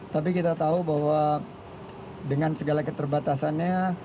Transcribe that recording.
tapi kita tahu bahwa dengan segala keterbatasannya